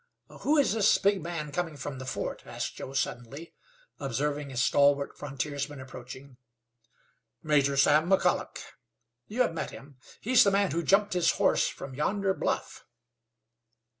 "Who is this big man coming from the the fort?" asked Joe, suddenly observing a stalwart frontiersman approaching. "Major Sam McColloch. You have met him. He's the man who jumped his horse from yonder bluff."